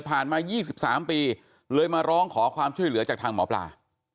มา๒๓ปีเลยมาร้องขอความช่วยเหลือจากทางหมอปลา